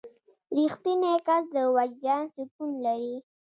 • رښتینی کس د وجدان سکون لري.